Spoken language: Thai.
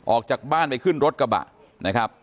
ออกจากบ้านไปขึ้นรถกระบะนะครับ